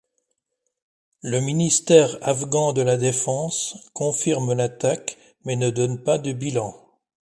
Le ministère afghan de la défense confirme l'attaque mais ne donne pas de bilan.